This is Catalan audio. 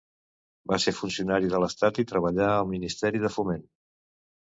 Va ser funcionari de l'Estat i treballà al Ministeri de Foment.